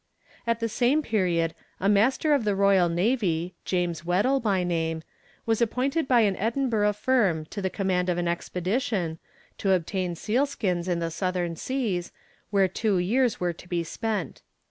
_] At the same period a master in the Royal Navy, James Weddell by name, was appointed by an Edinburgh firm to the command of an expedition, to obtain seal skins in the southern seas, where two years were to be spent.